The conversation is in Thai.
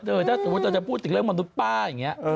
แต่ถ้าเราจะพูดสิ่งเรื่องมรุ่นป้าอย่างนี้